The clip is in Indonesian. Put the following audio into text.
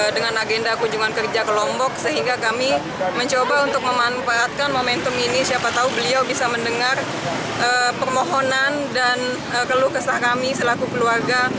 dengan agenda kunjungan kerja ke lombok sehingga kami mencoba untuk memanfaatkan momentum ini siapa tahu beliau bisa mendengar permohonan dan keluh kesah kami selaku keluarga